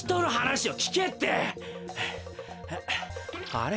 あれ？